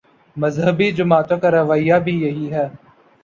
مذہبی جماعتوں کا رویہ بھی یہی ہے۔